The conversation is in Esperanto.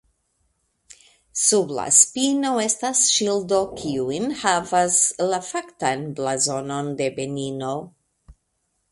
Sub la spino estas ŝildo kiu enhavas la faktan blazonon de Benino.